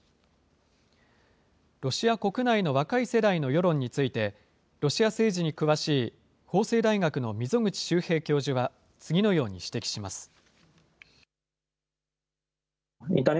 ロシア国内の若い世代の世論について、ロシア政治に詳しい、法政大学の溝口修平教授は次のように指摘します。